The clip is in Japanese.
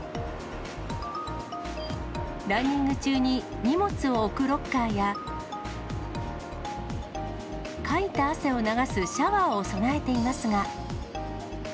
ランニング中に荷物を置くロッカーや、かいた汗を流すシャワーを備えていますが。